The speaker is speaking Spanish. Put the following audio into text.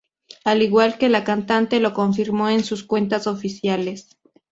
Al igual que la cantante lo confirmó en sus cuentas oficiales.